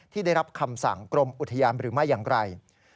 ได้รับคำสั่งกรมอุทยานหรือไม่อย่างไร